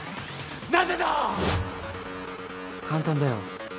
簡単だよ。